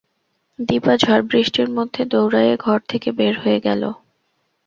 দিপা ঝড়-বৃষ্টির মধ্যে দৌড়ায়ে ঘর থেকে বের হয়ে গেল।